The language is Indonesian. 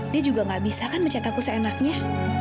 dia juga gak bisa kan mencet aku seenaknya